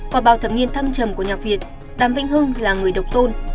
qua bao thầm nhiên thăm trầm của nhạc việt đàm vĩnh hưng là người độc tôn